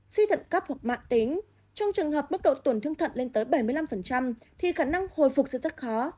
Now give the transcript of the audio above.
suy thận cấp hoặc mạng tính trong trường hợp mức độ tổn thương thận lên tới bảy mươi năm thì khả năng hồi phục sự rất khó